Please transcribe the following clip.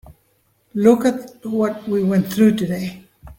Look at what we went through today.